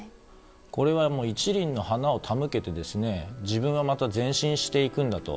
これは１輪の花を手向けて自分はまた前進していくんだと。